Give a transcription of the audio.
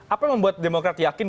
apa yang membuat demokrat yakin